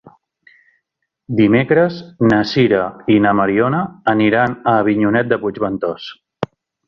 Dimecres na Sira i na Mariona aniran a Avinyonet de Puigventós.